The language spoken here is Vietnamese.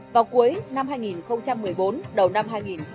vào cuối năm hai nghìn một mươi bốn đầu năm hai nghìn một mươi năm